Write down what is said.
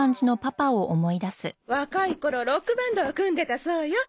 若い頃ロックバンドを組んでたそうよ。